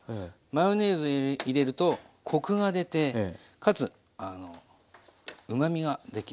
マヨネーズ入れるとコクが出てかつうまみができます。